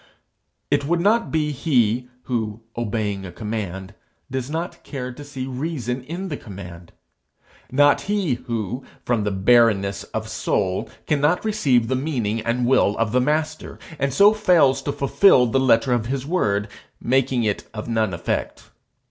It would not be he who, obeying a command, does not care to see reason in the command; not he who, from very barrenness of soul, cannot receive the meaning and will of the Master, and so fails to fulfil the letter of his word, making it of none effect.